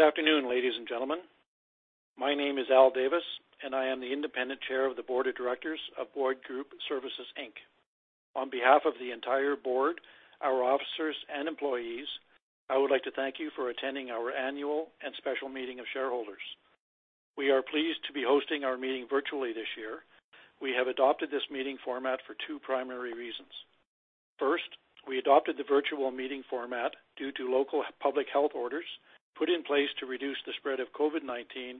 Good afternoon, ladies and gentlemen. My name is Allan Davis, and I am the independent chair of the board of directors of Boyd Group Services Inc. On behalf of the entire board, our officers, and employees, I would like to thank you for attending our annual and special meeting of shareholders. We are pleased to be hosting our meeting virtually this year. We have adopted this meeting format for two primary reasons. First, we adopted the virtual meeting format due to local public health orders put in place to reduce the spread of COVID-19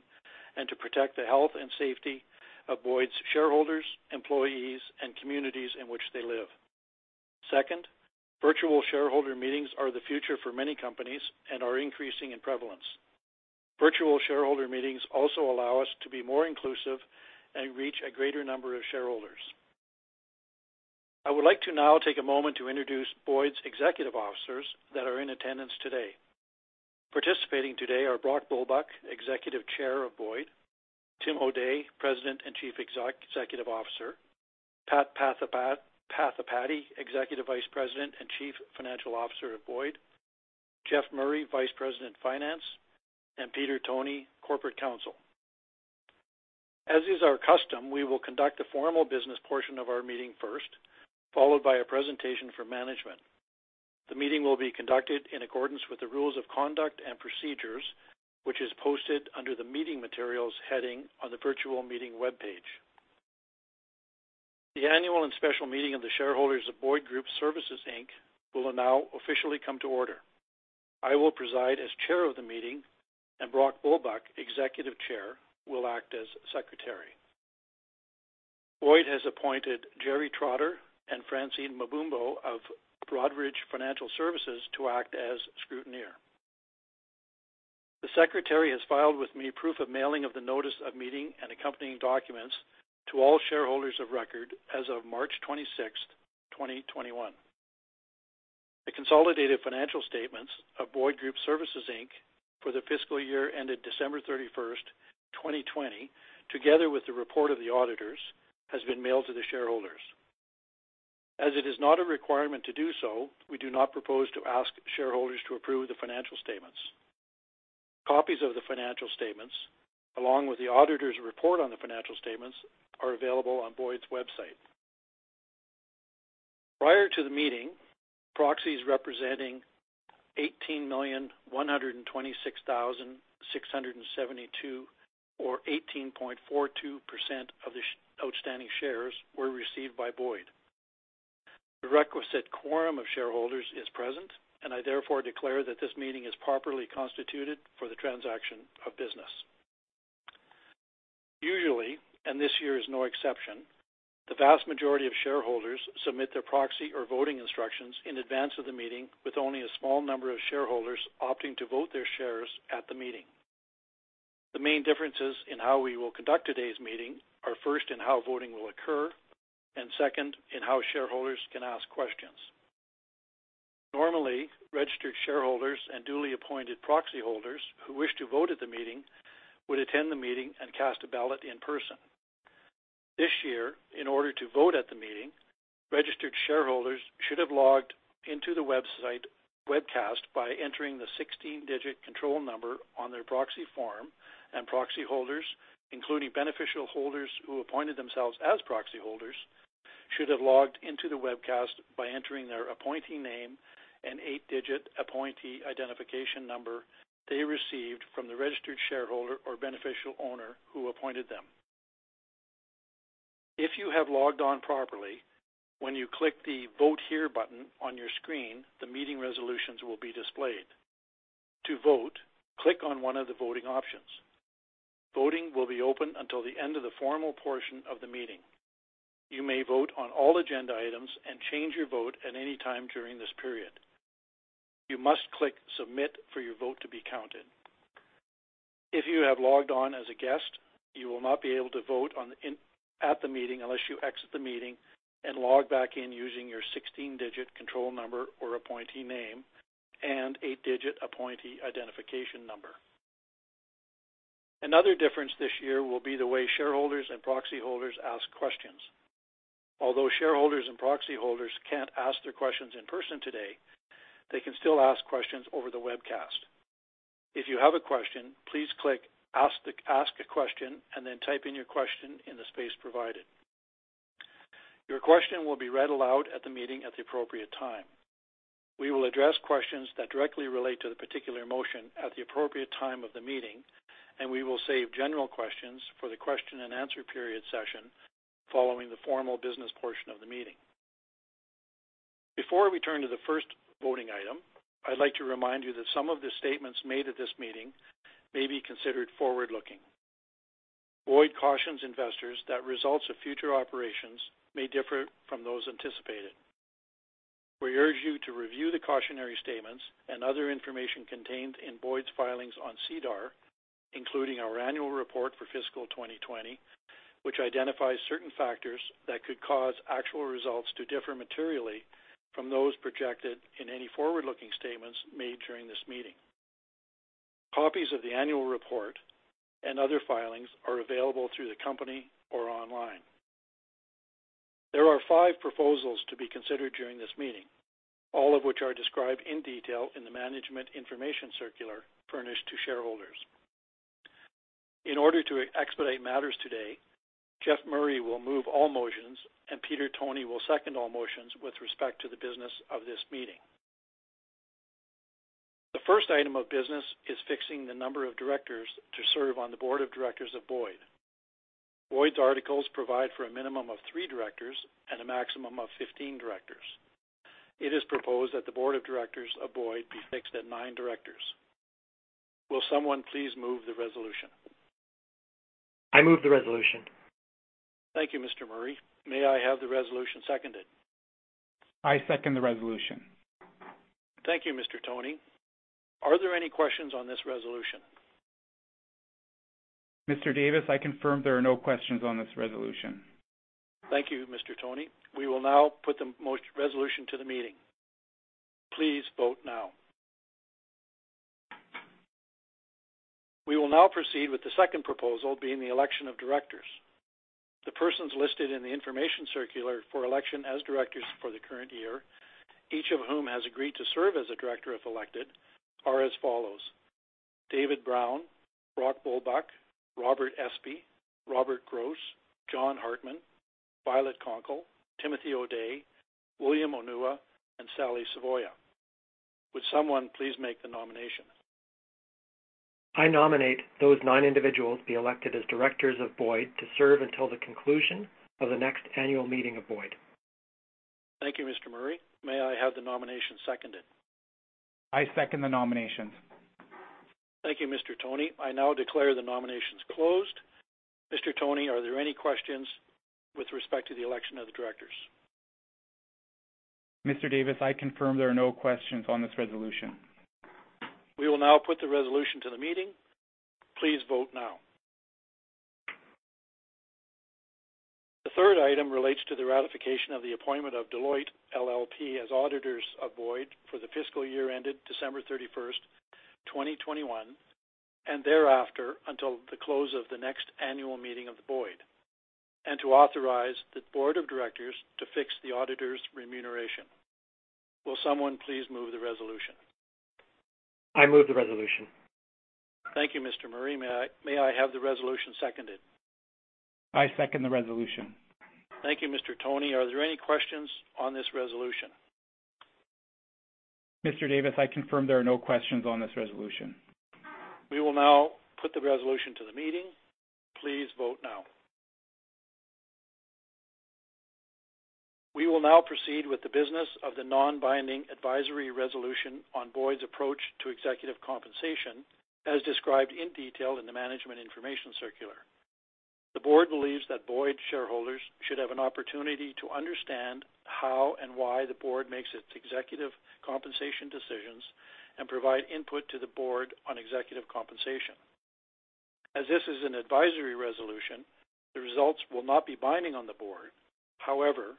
and to protect the health and safety of Boyd's shareholders, employees, and communities in which they live. Second, virtual shareholder meetings are the future for many companies and are increasing in prevalence. Virtual shareholder meetings also allow us to be more inclusive and reach a greater number of shareholders. I would like to now take a moment to introduce Boyd's executive officers that are in attendance today. Participating today are Brock Bulbuck, Executive Chair of Boyd, Tim O'Day, President and Chief Executive Officer, Pat Pathipati, Executive Vice President and Chief Financial Officer of Boyd, Jeff Murray, Vice President of Finance, and Peter Toni, Corporate Counsel. As is our custom, we will conduct the formal business portion of our meeting first, followed by a presentation from management. The meeting will be conducted in accordance with the rules of conduct and procedures, which is posted under the Meeting Materials heading on the virtual meeting webpage. The annual and special meeting of the shareholders of Boyd Group Services Inc. will now officially come to order. I will preside as chair of the meeting, and Brock Bulbuck, Executive Chair, will act as secretary. Boyd has appointed Gerry Trotter and Francine Mabumbo of Broadridge Financial Solutions to act as scrutineer. The secretary has filed with me proof of mailing of the notice of meeting and accompanying documents to all shareholders of record as of March 26th, 2021. The consolidated financial statements of Boyd Group Services, Inc. for the fiscal year ended December 31st, 2020, together with the report of the auditors, has been mailed to the shareholders. As it is not a requirement to do so, we do not propose to ask shareholders to approve the financial statements. Copies of the financial statements, along with the auditor's report on the financial statements, are available on Boyd's website. Prior to the meeting, proxies representing 18,126,672 or 18.42% of the outstanding shares were received by Boyd. The requisite quorum of shareholders is present, and I therefore declare that this meeting is properly constituted for the transaction of business. Usually, and this year is no exception, the vast majority of shareholders submit their proxy or voting instructions in advance of the meeting, with only a small number of shareholders opting to vote their shares at the meeting. The main differences in how we will conduct today's meeting are first in how voting will occur and second in how shareholders can ask questions. Normally, registered shareholders and duly appointed proxy holders who wish to vote at the meeting would attend the meeting and cast a ballot in person. This year, in order to vote at the meeting, registered shareholders should have logged into the webcast by entering the 16-digit control number on their proxy form, and proxy holders, including beneficial holders who appointed themselves as proxy holders, should have logged into the webcast by entering their appointee name and eight-digit appointee identification number they received from the registered shareholder or beneficial owner who appointed them. If you have logged on properly, when you click the Vote Here button on your screen, the meeting resolutions will be displayed. To vote, click on one of the voting options. Voting will be open until the end of the formal portion of the meeting. You may vote on all agenda items and change your vote at any time during this period. You must click Submit for your vote to be counted. If you have logged on as a guest, you will not be able to vote at the meeting unless you exit the meeting and log back in using your 16-digit control number or appointee name and eight-digit appointee identification number. Another difference this year will be the way shareholders and proxy holders ask questions. Although shareholders and proxy holders can't ask their questions in person today, they can still ask questions over the webcast. If you have a question, please click Ask a Question and then type in your question in the space provided. Your question will be read aloud at the meeting at the appropriate time. We will address questions that directly relate to the particular motion at the appropriate time of the meeting, and we will save general questions for the question and answer period session following the formal business portion of the meeting. Before we turn to the first voting item, I'd like to remind you that some of the statements made at this meeting may be considered forward-looking. Boyd cautions investors that results of future operations may differ from those anticipated. We urge you to review the cautionary statements and other information contained in Boyd's filings on SEDAR, including our annual report for fiscal 2020, which identifies certain factors that could cause actual results to differ materially from those projected in any forward-looking statements made during this meeting. Copies of the annual report and other filings are available through the company or online. There are five proposals to be considered during this meeting, all of which are described in detail in the management information circular furnished to shareholders. In order to expedite matters today, Jeff Murray will move all motions, and Peter Toni will second all motions with respect to the business of this meeting. The first item of business is fixing the number of directors to serve on the board of directors of Boyd. Boyd's articles provide for a minimum of three directors and a maximum of 15 directors. It is proposed that the board of directors of Boyd be fixed at nine directors. Will someone please move the resolution? I move the resolution. Thank you, Mr. Murray. May I have the resolution seconded? I second the resolution. Thank you, Mr. Toni, Are there any questions on this resolution? Mr. Davis, I confirm there are no questions on this resolution. Thank you, Mr. Toni. We will now put the resolution to the meeting. Please vote now. We will now proceed with the second proposal being the election of directors. The persons listed in the information circular for election as directors for the current year, each of whom has agreed to serve as a director if elected, are as follows: David Brown, Brock Bulbuck, Robert Espey, Robert Gross, John Hartmann, Violet Konkle, Tim O'Day, William Onuwa, and Sally Savoia. Would someone please make the nomination? I nominate those nine individuals be elected as directors of Boyd to serve until the conclusion of the next annual meeting of Boyd. Thank you, Mr. Murray. May I have the nomination seconded? I second the nominations. Thank you, Mr. Toni. I now declare the nominations closed. Mr. Toni, are there any questions with respect to the election of the directors? Mr. Davis, I confirm there are no questions on this resolution. We will now put the resolution to the meeting. Please vote now. The third item relates to the ratification of the appointment of Deloitte LLP as auditors of Boyd for the fiscal year ended December 31st, 2021, and thereafter until the close of the next annual meeting of the Boyd, and to authorize the board of directors to fix the auditors' remuneration. Will someone please move the resolution? I move the resolution. Thank you, Mr. Murray. May I have the resolution seconded? I second the resolution. Thank you, Mr. Toni. Are there any questions on this resolution? Mr. Davis, I confirm there are no questions on this resolution. We will now put the resolution to the meeting. Please vote now. We will now proceed with the business of the non-binding advisory resolution on Boyd's approach to executive compensation, as described in detail in the management information circular. The board believes that Boyd shareholders should have an opportunity to understand how and why the board makes its executive compensation decisions and provide input to the board on executive compensation. As this is an advisory resolution, the results will not be binding on the board. However,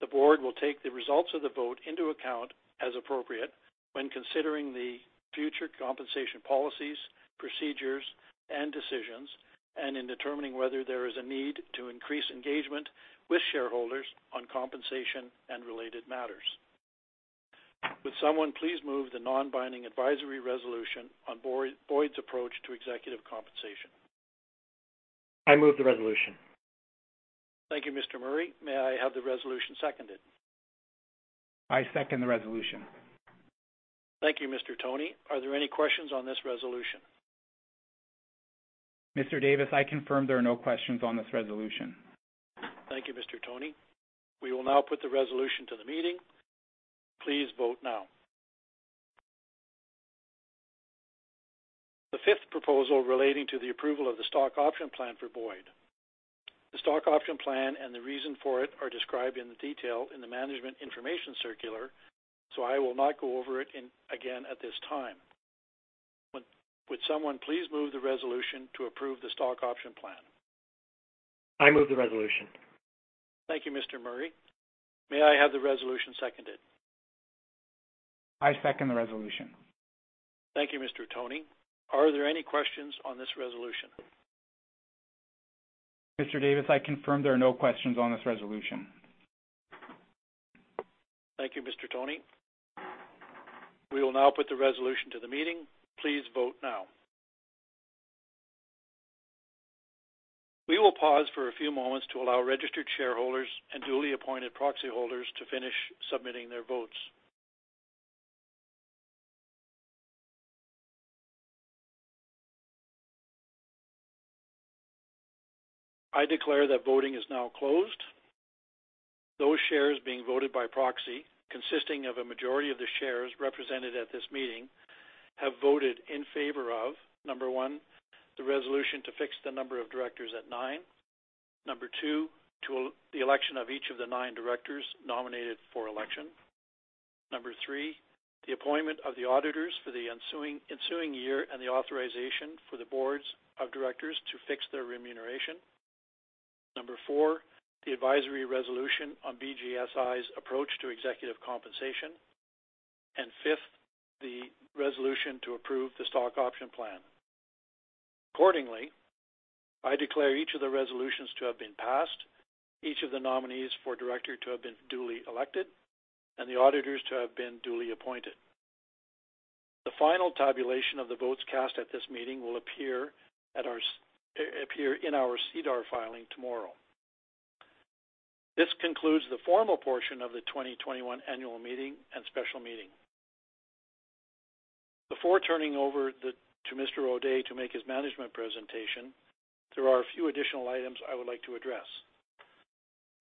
the board will take the results of the vote into account as appropriate when considering the future compensation policies, procedures, and decisions, and in determining whether there is a need to increase engagement with shareholders on compensation and related matters. Would someone please move the non-binding advisory resolution on Boyd's approach to executive compensation? I move the resolution. Thank you, Mr. Murray. May I have the resolution seconded? I second the resolution. Thank you, Mr. Toni. Are there any questions on this resolution? Mr. Davis, I confirm there are no questions on this resolution. Thank you, Mr. Toni. We will now put the resolution to the meeting. Please vote now. The fifth proposal relating to the approval of the stock option plan for Boyd. The stock option plan and the reason for it are described in the detail in the management information circular. I will not go over it again at this time. Would someone please move the resolution to approve the stock option plan? I move the resolution. Thank you, Mr. Murray. May I have the resolution seconded? I second the resolution. Thank you, Mr. Toni. Are there any questions on this resolution? Mr. Davis, I confirm there are no questions on this resolution. Thank you, Mr. Toni. We will now put the resolution to the meeting. Please vote now. We will pause for a few moments to allow registered shareholders and duly appointed proxy holders to finish submitting their votes. I declare that voting is now closed. Those shares being voted by proxy, consisting of a majority of the shares represented at this meeting, have voted in favor of, number one, the resolution to fix the number of directors at nine. Number two, the election of each of the nine directors nominated for election. Number three, the appointment of the auditors for the ensuing year and the authorization for the boards of directors to fix their remuneration. Number four, the advisory resolution on BGSI's approach to executive compensation. Fifth, the resolution to approve the stock option plan. Accordingly, I declare each of the resolutions to have been passed, each of the nominees for director to have been duly elected, and the auditors to have been duly appointed. The final tabulation of the votes cast at this meeting will appear in our SEDAR filing tomorrow. This concludes the formal portion of the 2021 annual meeting and special meeting. Before turning over to Mr. O'Day to make his management presentation, there are a few additional items I would like to address.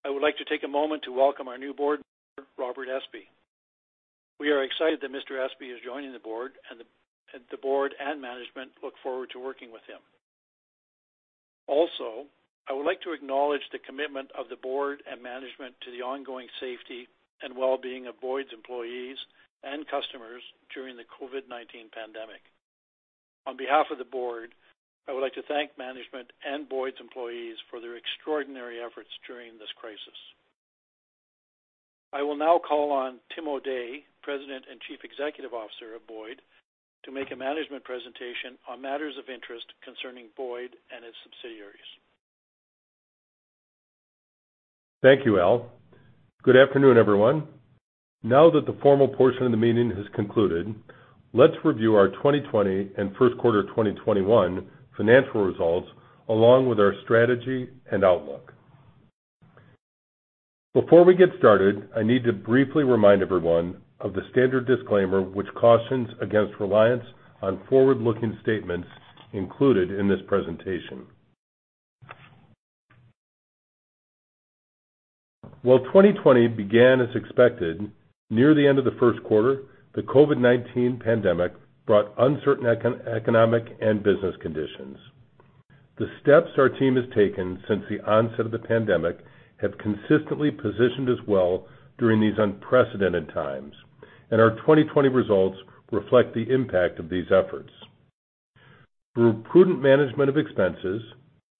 I would like to take a moment to welcome our new board member, Robert Espey. We are excited that Mr. Espey is joining the board, and the board and management look forward to working with him. Also, I would like to acknowledge the commitment of the board and management to the ongoing safety and wellbeing of Boyd's employees and customers during the COVID-19 pandemic. On behalf of the board, I would like to thank management and Boyd's employees for their extraordinary efforts during this crisis. I will now call on Tim O'Day, President and Chief Executive Officer of Boyd, to make a management presentation on matters of interest concerning Boyd and its subsidiaries. Thank you, Al. Good afternoon, everyone. Now that the formal portion of the meeting has concluded, let's review our 2020 and Q1 2021 financial results, along with our strategy and outlook. Before we get started, I need to briefly remind everyone of the standard disclaimer, which cautions against reliance on forward-looking statements included in this presentation. While 2020 began as expected, near the end of the Q1, the COVID-19 pandemic brought uncertain economic and business conditions. The steps our team has taken since the onset of the pandemic have consistently positioned us well during these unprecedented times, and our 2020 results reflect the impact of these efforts. Through prudent management of expenses,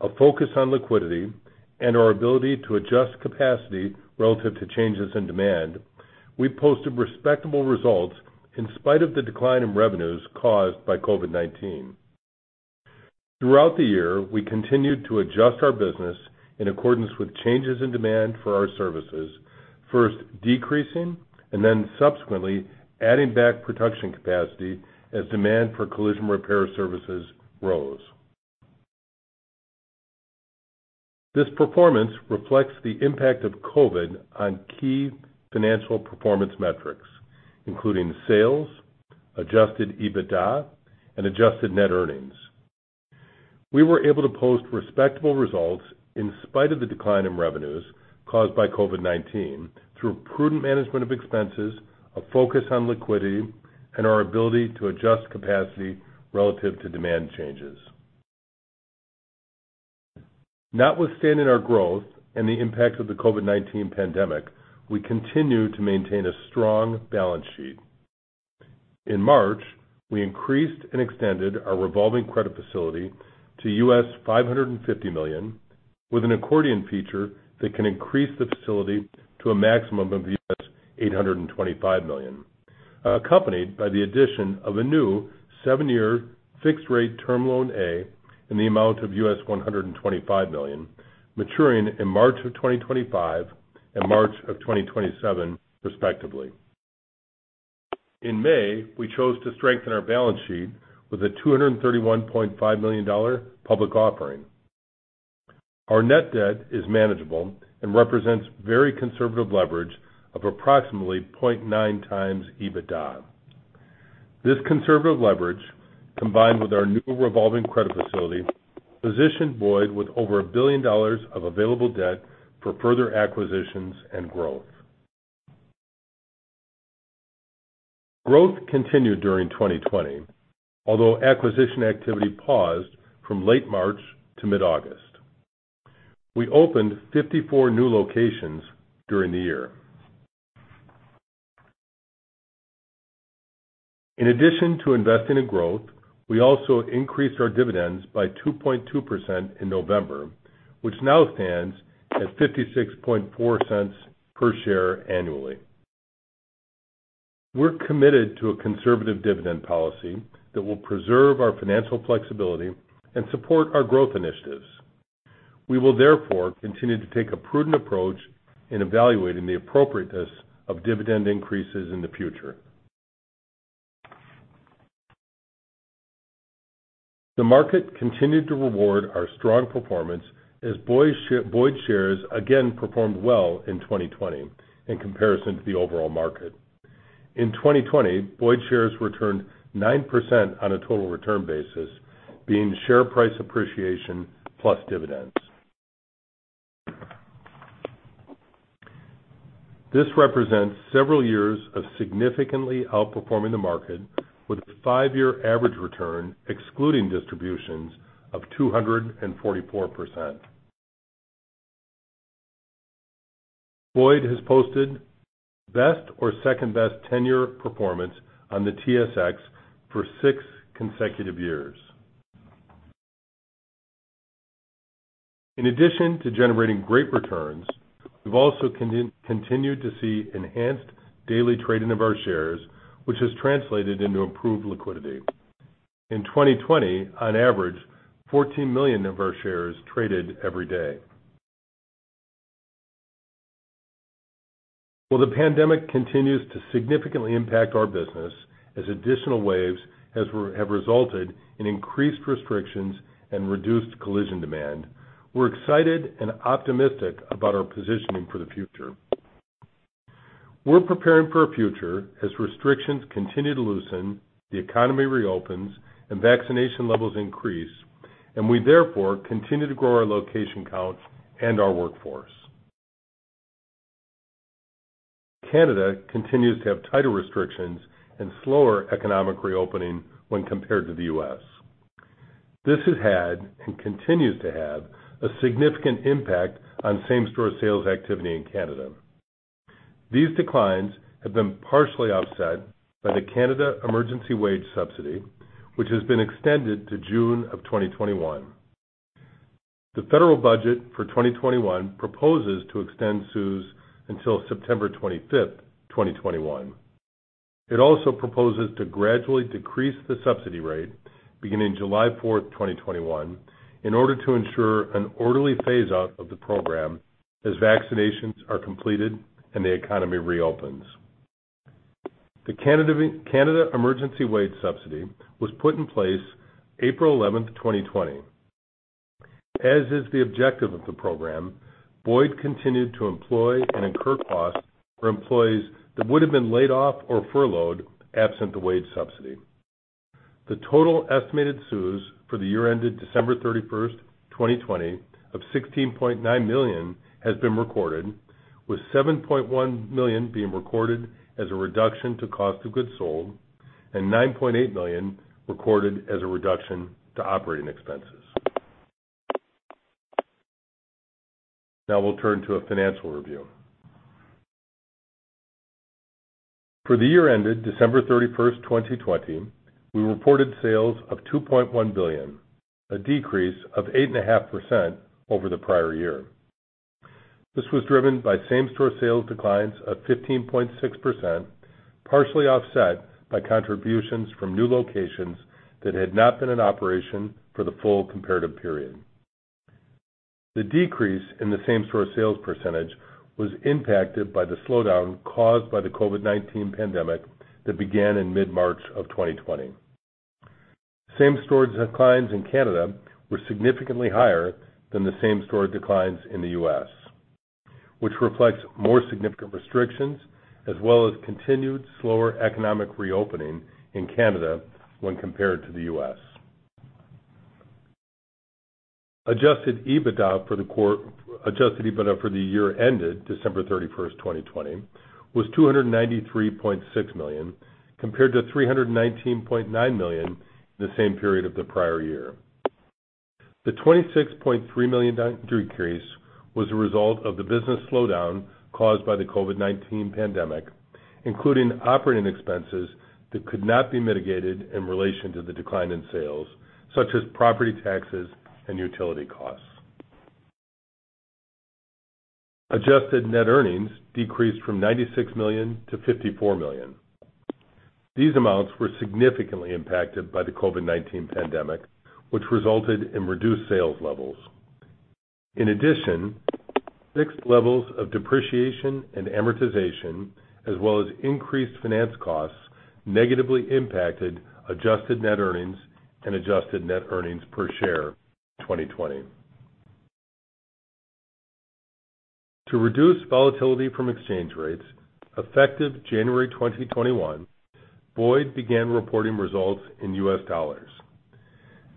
a focus on liquidity, and our ability to adjust capacity relative to changes in demand, we posted respectable results in spite of the decline in revenues caused by COVID-19. Throughout the year, we continued to adjust our business in accordance with changes in demand for our services, first decreasing and then subsequently adding back production capacity as demand for collision repair services rose. This performance reflects the impact of COVID-19 on key financial performance metrics, including sales, adjusted EBITDA, and adjusted net earnings. We were able to post respectable results in spite of the decline in revenues caused by COVID-19 through prudent management of expenses, a focus on liquidity, and our ability to adjust capacity relative to demand changes. Notwithstanding our growth and the impact of the COVID-19 pandemic, we continue to maintain a strong balance sheet. In March, we increased and extended our revolving credit facility to $550 million with an accordion feature that can increase the facility to a maximum of $825 million, accompanied by the addition of a new seven-year fixed-rate term loan A in the amount of $125 million, maturing in March of 2025 and March of 2027, respectively. In May, we chose to strengthen our balance sheet with a 231.5 million dollar public offering. Our net debt is manageable and represents very conservative leverage of approximately 0.9x EBITDA. This conservative leverage, combined with our new revolving credit facility, positioned Boyd with over 1 billion dollars of available debt for further acquisitions and growth. Growth continued during 2020, although acquisition activity paused from late March to mid-August. We opened 54 new locations during the year. In addition to investing in growth, we also increased our dividends by 2.2% in November, which now stands at 0.564 per share annually. We're committed to a conservative dividend policy that will preserve our financial flexibility and support our growth initiatives. We will therefore continue to take a prudent approach in evaluating the appropriateness of dividend increases in the future. The market continued to reward our strong performance as Boyd shares again performed well in 2020 in comparison to the overall market. In 2020, Boyd shares returned 9% on a total return basis, being share price appreciation plus dividends. This represents several years of significantly outperforming the market with a five-year average return, excluding distributions, of 244%. Boyd has posted best or second-best ten-year performance on the TSX for six consecutive years. In addition to generating great returns, we've also continued to see enhanced daily trading of our shares, which has translated into improved liquidity. In 2020, on average, 14 million of our shares traded every day. While the pandemic continues to significantly impact our business as additional waves have resulted in increased restrictions and reduced collision demand, we're excited and optimistic about our positioning for the future. We're preparing for a future as restrictions continue to loosen, the economy reopens, and vaccination levels increase, and we therefore continue to grow our location counts and our workforce. Canada continues to have tighter restrictions and slower economic reopening when compared to the U.S. This has had, and continues to have, a significant impact on same-store sales activity in Canada. These declines have been partially offset by the Canada Emergency Wage Subsidy, which has been extended to June 2021. The federal budget for 2021 proposes to extend CEWS until September 25th, 2021. It also proposes to gradually decrease the subsidy rate beginning July 4th, 2021, in order to ensure an orderly phase out of the program as vaccinations are completed and the economy reopens. The Canada Emergency Wage Subsidy was put in place April 11th, 2020. As is the objective of the program, Boyd continued to employ and incur costs for employees that would've been laid off or furloughed absent the wage subsidy. The total estimated CEWS for the year ended December 31st, 2020 of 16.9 million has been recorded, with 7.1 million being recorded as a reduction to cost of goods sold and 9.8 million recorded as a reduction to operating expenses. Now we'll turn to a financial review. For the year ended December 31st, 2020, we reported sales of 2.1 billion, a decrease of 8.5% over the prior year. This was driven by same-store sales declines of 15.6%, partially offset by contributions from new locations that had not been in operation for the full comparative period. The decrease in the same-store sales percentage was impacted by the slowdown caused by the COVID-19 pandemic that began in mid-March of 2020. Same-store declines in Canada were significantly higher than the same-store declines in the U.S., Which reflects more significant restrictions as well as continued slower economic reopening in Canada when compared to the U.S. Adjusted EBITDA for the year ended December 31st, 2020 was 293.6 million, compared to 319.9 million in the same period of the prior year. The $26.3 million decrease was a result of the business slowdown caused by the COVID-19 pandemic, including operating expenses that could not be mitigated in relation to the decline in sales, such as property taxes and utility costs. Adjusted net earnings decreased from $96 million to $54 million. These amounts were significantly impacted by the COVID-19 pandemic, which resulted in reduced sales levels. In addition, fixed levels of depreciation and amortization, as well as increased finance costs, negatively impacted adjusted net earnings and adjusted net earnings per share in 2020. To reduce volatility from exchange rates, effective January 2021, Boyd began reporting results in U.S. dollars.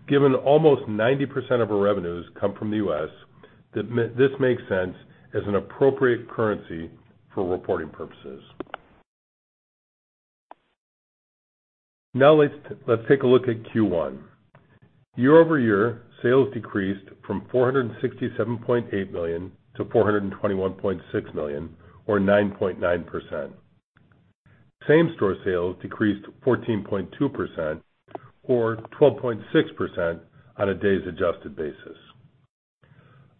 Given almost 90% of our revenues come from the U.S., this makes sense as an appropriate currency for reporting purposes. Now let's take a look at Q1. Year-over-year, sales decreased from $467.8 million to $421.6 million or 9.9%. Same-store sales decreased 14.2% or 12.6% on a days adjusted basis.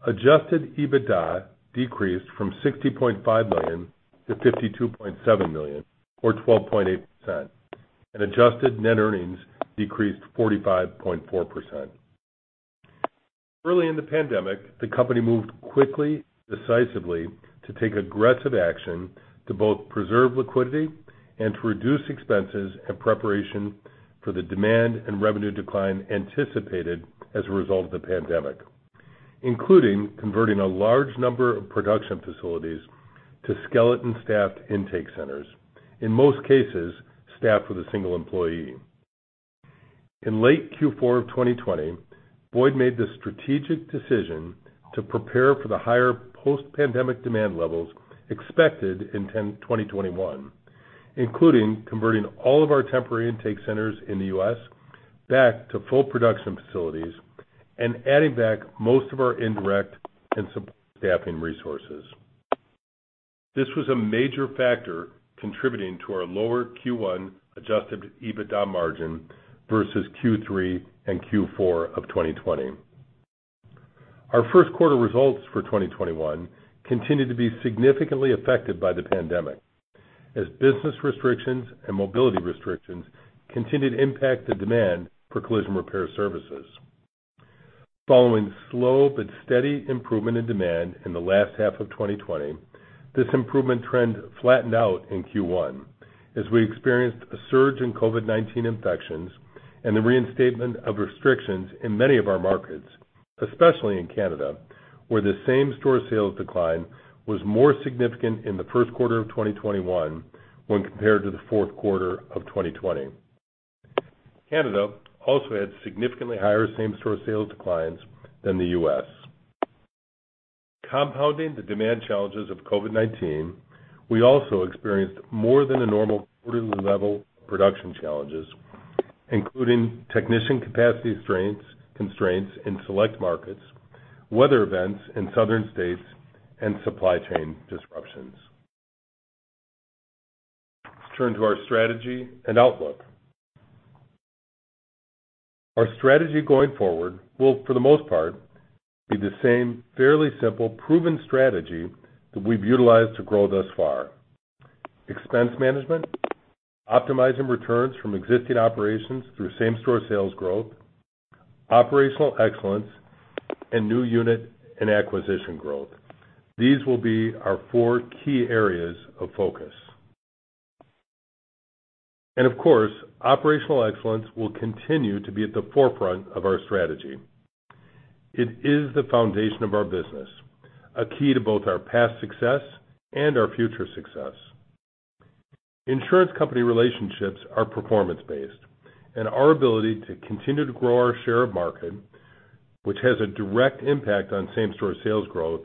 Adjusted EBITDA decreased from $60.5 million to $52.7 million, or 12.8%, and adjusted net earnings decreased 45.4%. Early in the pandemic, the company moved quickly, decisively to take aggressive action to both preserve liquidity and to reduce expenses in preparation for the demand and revenue decline anticipated as a result of the pandemic, including converting a large number of production facilities to skeleton-staffed intake centers, in most cases, staffed with a single employee. In late Q4 of 2020, Boyd made the strategic decision to prepare for the higher post-pandemic demand levels expected in 2021, including converting all of our temporary intake centers in the U.S. back to full production facilities and adding back most of our indirect and support staffing resources. This was a major factor contributing to our lower Q1 adjusted EBITDA margin versus Q3 and Q4 of 2020. Our Q1 results for 2021 continued to be significantly affected by the pandemic, as business restrictions and mobility restrictions continued to impact the demand for collision repair services. Following slow but steady improvement in demand in the last half of 2020, this improvement trend flattened out in Q1 as we experienced a surge in COVID-19 infections and the reinstatement of restrictions in many of our markets, especially in Canada, where the same-store sales decline was more significant in the Q1 of 2021 when compared to the Q4 of 2020. Canada also had significantly higher same-store sales declines than the U.S. Compounding the demand challenges of COVID-19, we also experienced more than a normal quarterly level of production challenges, including technician capacity constraints in select markets, weather events in southern states, and supply chain disruptions. Let's turn to our strategy and outlook. Our strategy going forward will, for the most part, be the same fairly simple, proven strategy that we've utilized to grow thus far. Expense management, optimizing returns from existing operations through same-store sales growth, operational excellence, and new unit and acquisition growth. These will be our four key areas of focus. Of course, operational excellence will continue to be at the forefront of our strategy. It is the foundation of our business, a key to both our past success and our future success. Insurance company relationships are performance-based, and our ability to continue to grow our share of market, which has a direct impact on same-store sales growth,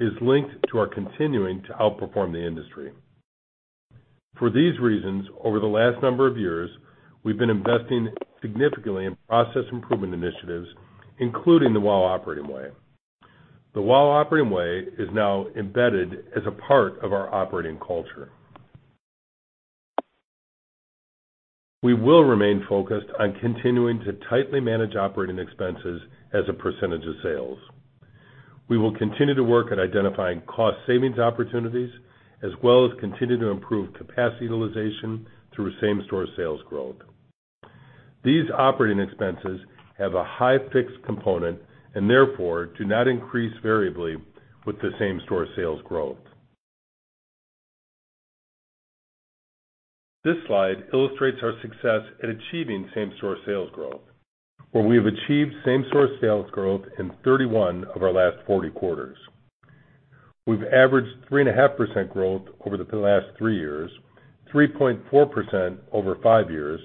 is linked to our continuing to outperform the industry. For these reasons, over the last number of years, we've been investing significantly in process improvement initiatives, including the WOW Operating Way. The WOW Operating Way is now embedded as a part of our operating culture. We will remain focused on continuing to tightly manage operating expenses as a percentage of sales. We will continue to work at identifying cost savings opportunities, as well as continue to improve capacity utilization through same-store sales growth. These operating expenses have a high fixed component and therefore do not increase variably with the same-store sales growth. This slide illustrates our success at achieving same-store sales growth, where we have achieved same-store sales growth in 31 of our last 40 quarters. We've averaged 3.5% growth over the last three years, 3.4% over five years,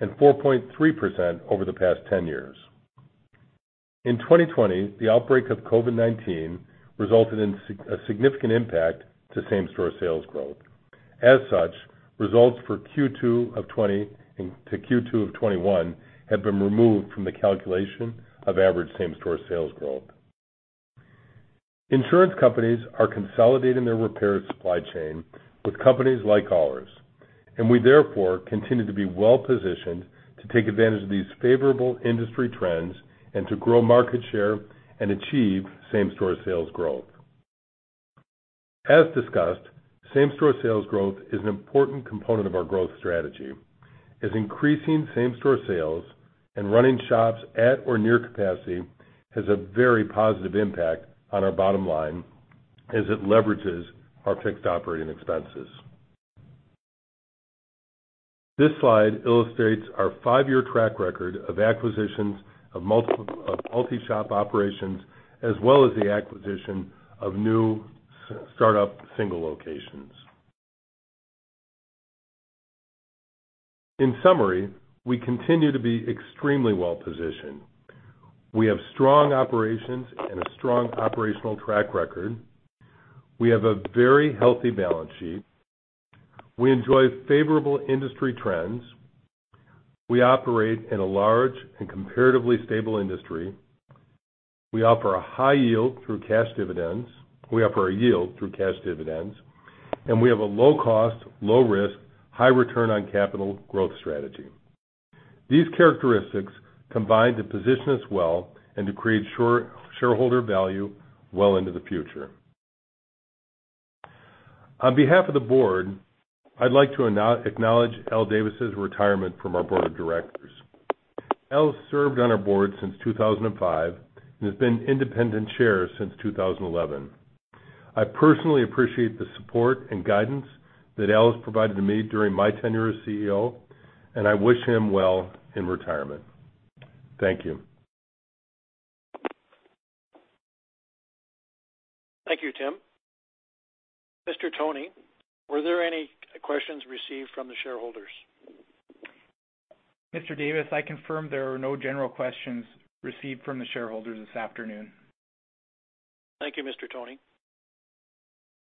and 4.3% over the past 10 years. In 2020, the outbreak of COVID-19 resulted in a significant impact to same-store sales growth. As such, results for Q2 of 2020 to Q2 of 2021 have been removed from the calculation of average same-store sales growth. Insurance companies are consolidating their repair supply chain with companies like ours. We therefore continue to be well positioned to take advantage of these favorable industry trends and to grow market share and achieve same-store sales growth. As discussed, same-store sales growth is an important component of our growth strategy, as increasing same-store sales and running shops at or near capacity has a very positive impact on our bottom line as it leverages our fixed operating expenses. This slide illustrates our five-year track record of acquisitions of multi-shop operations, as well as the acquisition of new startup single locations. In summary, we continue to be extremely well positioned. We have strong operations and a strong operational track record. We have a very healthy balance sheet. We enjoy favorable industry trends. We operate in a large and comparatively stable industry. We offer a high yield through cash dividends. We offer a yield through cash dividends, and we have a low cost, low risk, high return on capital growth strategy. These characteristics combine to position us well and to create shareholder value well into the future. On behalf of the board, I'd like to acknowledge Al Davis' retirement from our board of directors. Al served on our board since 2005 and has been independent chair since 2011. I personally appreciate the support and guidance that Al has provided to me during my tenure as CEO, and I wish him well in retirement. Thank you. Thank you, Tim. Mr. Toni, were there any questions received from the shareholders? Mr. Davis, I confirm there are no general questions received from the shareholders this afternoon. Thank you, Mr. Toni.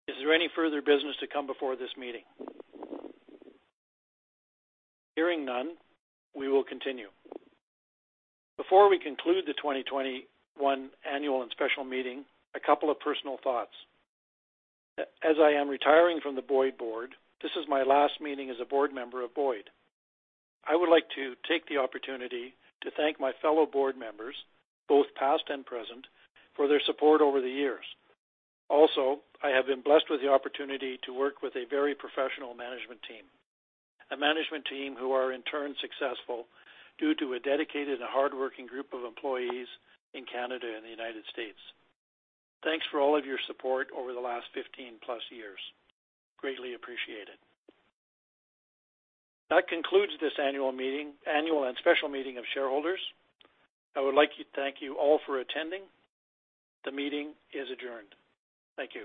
Is there any further business to come before this meeting? Hearing none, we will continue. Before we conclude the 2021 annual and special meeting, a couple of personal thoughts. As I am retiring from the Boyd board, this is my last meeting as a board member of Boyd. I would like to take the opportunity to thank my fellow board members, both past and present, for their support over the years. Also, I have been blessed with the opportunity to work with a very professional management team, a management team who are in turn successful due to a dedicated and hardworking group of employees in Canada and the United States. Thanks for all of your support over the last 15+ years. Greatly appreciated. That concludes this annual and special meeting of shareholders. I would like to thank you all for attending. The meeting is adjourned. Thank you.